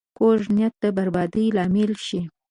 کوږ نیت د بربادۍ لامل شي